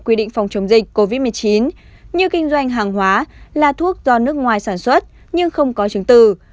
quy định phòng chống dịch covid một mươi chín như kinh doanh hàng hóa là thuốc do nước ngoài sản xuất nhưng không có chứng từ